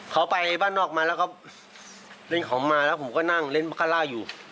เขาไปบ้านนอกมาแล้วก็เล่นของมาแล้วผมก็นั่งเล่นบาคาร่าอยู่